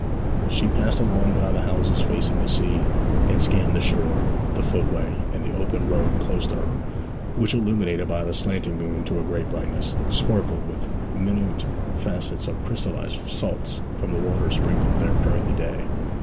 She passed along by the houses facing the sea, and scanned the shore, the footway, and the open road close to her, which, illuminated by the slanting moon to a great brightness, sparkled with minute facets of crystallized salts from the water sprinkled there during the day.